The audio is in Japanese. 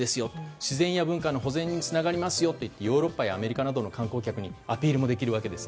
自然や文化の保全につながりますよと言ってヨーロッパやアメリカなどの観光客にアピールもできるわけです。